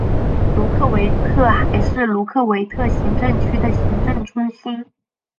卢科维特还是卢科维特行政区的行政中心。